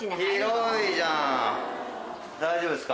大丈夫ですか？